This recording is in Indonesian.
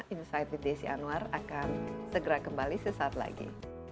insight with desi anwar akan segera kembali sesaat lagi